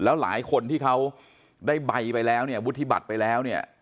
แล้วหลายคนที่เขาได้ใบไปแล้วเนี่ยวุฒิบัตรไปแล้วเนี่ย